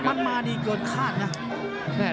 มันมาดีเกินคาดนะ